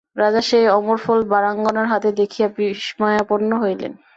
রাজা সেই অমরফল বারাঙ্গনার হস্তে দেখিয়া বিস্ময়াপন্ন হইলেন।